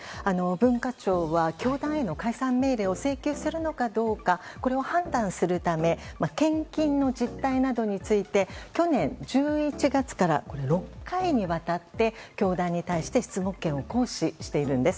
文化庁は教団への解散命令を請求するかこれを判断するため献金の実態などについて去年１１月から６回にわたって教団に対して質問権を行使しているんです。